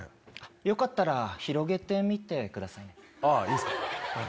よかったら広げて見てくださああ、いいっすか。